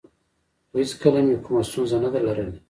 خو هېڅکله مې کومه ستونزه نه ده لرلې